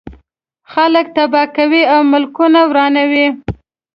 خلک تباه کوي او ملکونه ورانوي.